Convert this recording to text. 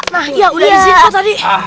nah iya udah izin pak tadi